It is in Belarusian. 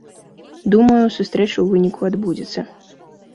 Думаю, сустрэча ў выніку адбудзецца.